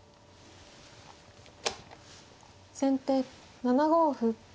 先手７五歩。